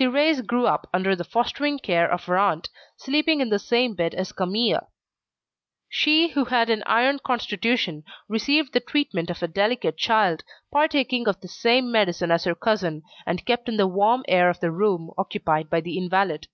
Thérèse grew up under the fostering care of her aunt, sleeping in the same bed as Camille. She who had an iron constitution, received the treatment of a delicate child, partaking of the same medicine as her cousin, and kept in the warm air of the room occupied by the invalid.